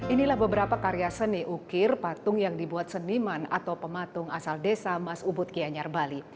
inilah beberapa karya seni ukir patung yang dibuat seniman atau pematung asal desa mas ubud kianyar bali